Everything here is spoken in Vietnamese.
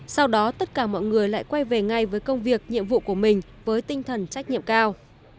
sau đó tất cả mọi người lại quay về ngay với công việc nhiệm vụ của mình với tinh thần trách nhiệm cao